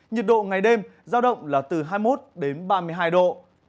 nhiệt độ ngày đêm giao động là từ hai mươi một đến ba mươi hai độ